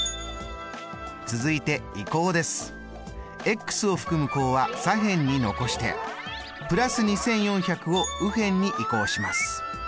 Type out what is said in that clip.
続いて移項です。を含む項は左辺に残して＋２４００を右辺に移項します。